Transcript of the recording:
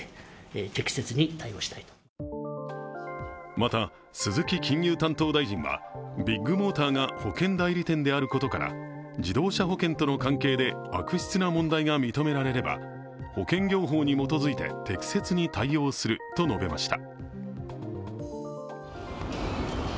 また、鈴木金融担当大臣はビッグモーターが保険代理店であることから自動車保険との関係で悪質な問題が認められれば保険業法に基づいて適切に対応すると述べました。